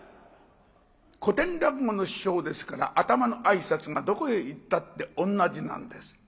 古典落語の師匠ですから頭の挨拶がどこへ行ったって同じなんです。